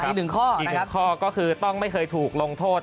อีกหนึ่งข้อก็คือต้องไม่เคยถูกลงโทษ